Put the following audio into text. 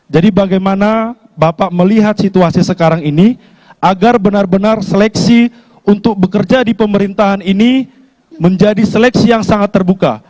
jadi bagaimana bapak melihat situasi sekarang ini agar benar benar seleksi untuk bekerja di pemerintahan ini menjadi seleksi yang sangat terbuka